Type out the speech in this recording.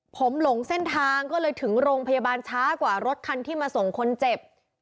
ผมหลงเส้นทางก็เลยถึงโรงพยาบาลช้ากว่ารถคันที่มาส่งคนเจ็บ